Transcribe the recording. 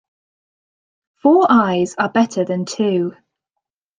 Four eyes are better than two.